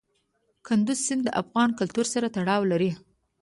کندز سیند د افغان کلتور سره تړاو لري.